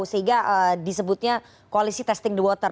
sehingga disebutnya koalisi testing the water